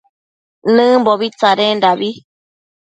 Nëmbobi tsadendabi